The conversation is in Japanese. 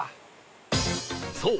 そう。